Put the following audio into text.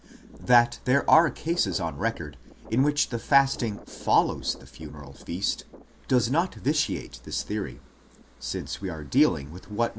That there are cases on record in which the fasting follows the funeral feast does not vitiate this theory, i Hastings, op. cit.